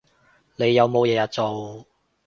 你有冇日日做